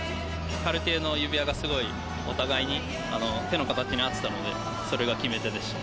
カルティエの指輪がすごいお互いに手の形に合ってたので、それが決め手でした。